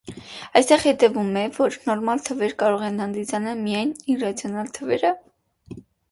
Այստեղից հետևում է,որ նորմալ թվեր կարող են հանդիսանալ միայն իռավիոնալ թվերը։